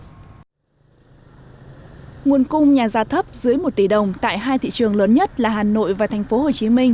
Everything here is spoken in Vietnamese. cung nhà giá thấp dưới một tỷ đồng tại hai thị trường lớn nhất là hà nội và thành phố hồ chí minh